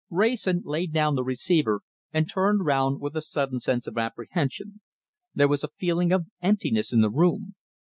Wrayson laid down the receiver and turned round with a sudden sense of apprehension. There was a feeling of emptiness in the room.